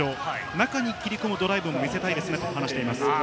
中に切り込むドライブも見せたいですねと話しています。